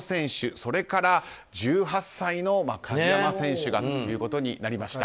それから１８歳の鍵山選手がということになりました。